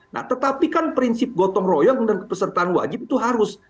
nah tetapi kan prinsip gotong royong dan kepesertaan wajib itu harus